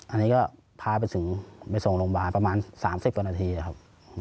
อันนี้ก็พาไปถึงไปส่งโรงพยาบาลประมาณ๓๐กว่านาทีครับ